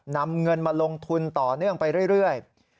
นำเงินมาลงทุนต่อเนื่องไปเรื่อย